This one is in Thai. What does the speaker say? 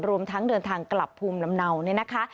รวมทั้งเดินทางกลับภูมิลำเนาเนี่ยนะคะ